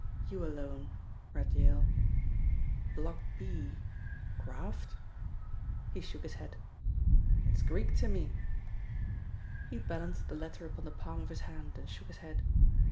you alone,'" read Yale. "'Block B.. Graft'?" He shook his head. "It is Greek to me." He balanced the letter upon the palm of his hand and shook his head.